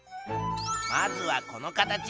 まずはこの形。